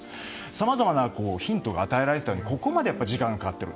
さまざまなヒントが与えられていたのにここまで時間がかかっている。